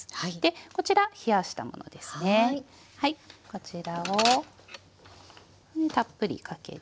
こちらをたっぷりかけて。